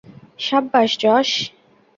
সাব্বাশ, Josh.